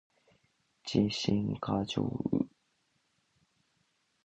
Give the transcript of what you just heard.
自信過剰